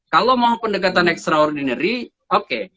kalau mau pendekatan extraordinary oke